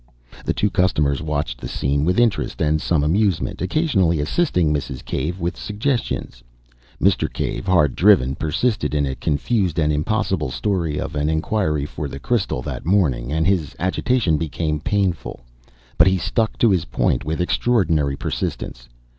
The two customers watched the scene with interest and some amusement, occasionally assisting Mrs. Cave with suggestions. Mr. Cave, hard driven, persisted in a confused and impossible story of an enquiry for the crystal that morning, and his agitation became painful. But he stuck to his point with extraordinary persistence.